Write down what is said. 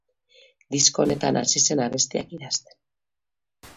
Disko honetan hasi zen abestiak idazten.